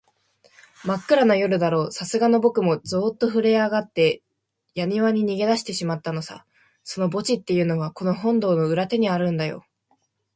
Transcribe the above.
まっくらな夜だろう、さすがのぼくもゾーッとふるえあがって、やにわに逃げだしてしまったのさ。その墓地っていうのは、この本堂の裏手にあるんだよ。